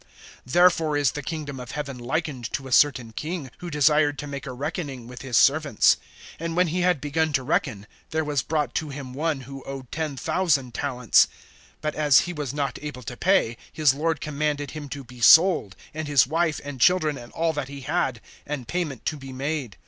(23)Therefore is the kingdom of heaven likened to a certain king, who desired to make a reckoning with his servants. (24)And when he had begun to reckon, there was brought to him one, who owed ten thousand talents[18:24]. (25)But as he was not able to pay, his lord commanded him to be sold, and his wife, and children, and all that he had, and payment to be made.